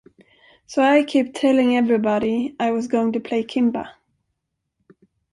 So I kept telling everybody I was going to play Kimba.